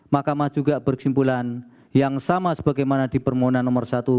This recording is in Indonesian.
mahkamah juga berkesimpulan yang sama sebagaimana di permohonan nomor satu